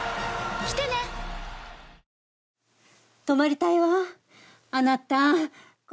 泊まりたいわー、あなた。